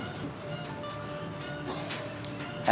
kalau bella nerima lo